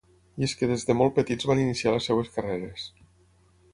I és que des de molt petits van iniciar les seves carreres.